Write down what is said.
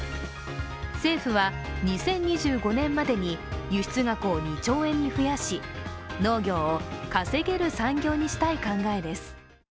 政府は２０２５年までに輸出額を２兆円に増やし農業を稼げる産業にしたい考えです。